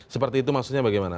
seperti itu maksudnya bagaimana